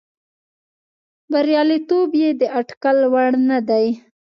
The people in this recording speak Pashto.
بریالیتوب یې د اټکل وړ نه دی.